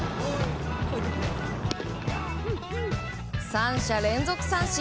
３者連続三振。